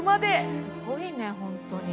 すごいね本当に。